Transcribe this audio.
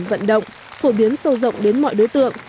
vận động phổ biến sâu rộng đến mọi đối tượng